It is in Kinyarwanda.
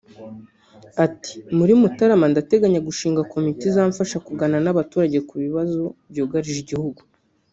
Ati “ Muri Mutarama ndateganya gushinga komite izamfasha kuganira n’abaturage ku bibazo byugarije igihugu